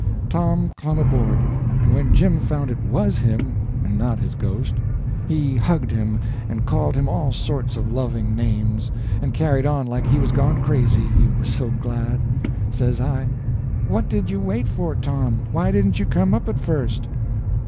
Tom clumb aboard, and when Jim found it was him, and not his ghost, he hugged him, and called him all sorts of loving names, and carried on like he was gone crazy, he was so glad. Says I: "What did you wait for, Tom? Why didn't you come up at first?"